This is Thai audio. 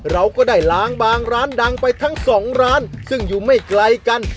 เราก็ได้ล้างบางร้านดังไปทั้งสองร้านซึ่งอยู่ไม่ไกลกัน